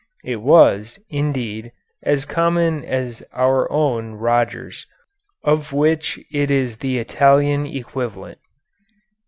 It was, indeed, as common as our own Rogers, of which it is the Italian equivalent.